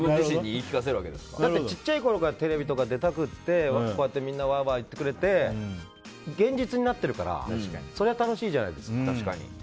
だって小さいころからテレビとか出たくてみんな、ワーワー言ってくれて現実になっているからそりゃ楽しいじゃないですか。